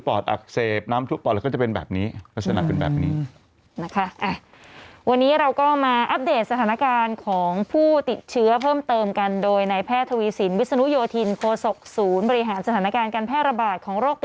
ปอดแบบหายไปเลยเป็นขาว